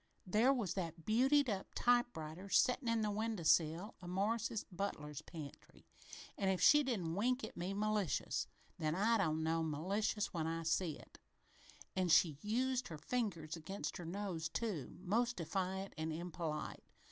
There was that beautied up typewriter settin' in the window sill o' Morris's butler's pantry an' if she didn't wink at me malicious, then I don't know malice when I see it. An' she used her fingers against her nose, too, most defiant and impolite.